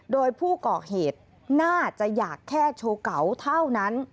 โดยผู้ก่อเหตุน่าจะอยากแค่โชว์เก่าเท่านั้น